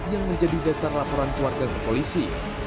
yang menjadi dasar laporan keluarga kepolisi